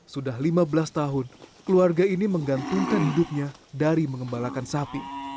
sudah lima belas tahun keluarga ini menggantungkan hidupnya dari mengembalakan sapi